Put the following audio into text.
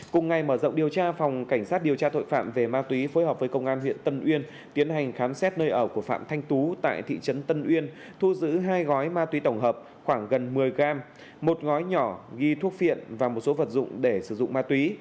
cùng ngày mở rộng điều tra phòng cảnh sát điều tra tội phạm về ma túy phối hợp với công an huyện tân uyên tiến hành khám xét nơi ở của phạm thanh tú tại thị trấn tân uyên thu giữ hai gói ma túy tổng hợp khoảng gần một mươi gram một gói nhỏ ghi thuốc phiện và một số vật dụng để sử dụng ma túy